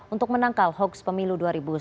untuk menangkal hoax pemilu dua ribu sembilan belas